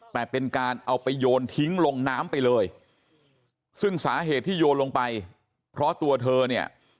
แต่เป็นการเอาไปโยนทิ้งลงน้ำไปเลยซึ่งสาเหตุที่โยนลงไปเพราะตัวเธอเนี่ย